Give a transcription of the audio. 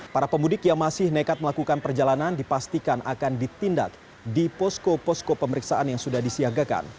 para pemudik yang masih nekat melakukan perjalanan dipastikan akan ditindak di posko posko pemeriksaan yang sudah disiagakan